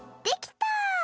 できた！